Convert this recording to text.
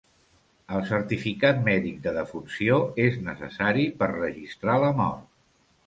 El certificat mèdic de defunció és necessari per registrar la mort.